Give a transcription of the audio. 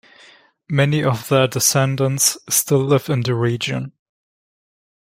Many of their descendants still live in the region.